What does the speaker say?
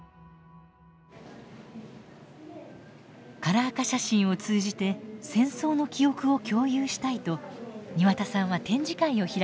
カラー化写真を通じて戦争の記憶を共有したいと庭田さんは展示会を開きました。